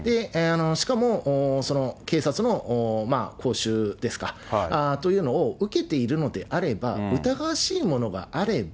しかも、警察の講習ですか、というのを受けているのであれば、疑わしいものがあれば、